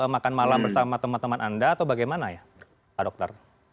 makan malam bersama teman teman anda atau bagaimana ya pak dokter